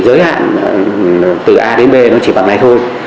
giới hạn từ a đến b nó chỉ bằng ngày thôi